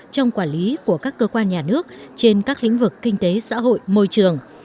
trong quản lý của các cơ quan nhà nước trên các lĩnh vực kinh tế xã hội môi trường